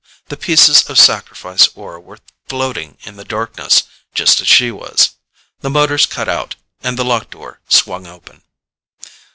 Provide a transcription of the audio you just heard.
The pieces of sacrifice ore were floating in the darkness just as she was. The motors cut out and the lock door swung open.